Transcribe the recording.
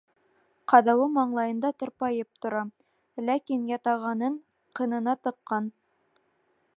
Ҡаҙауы маңлайында тырпайып тора, ләкин ятағанын ҡынына тыҡҡан.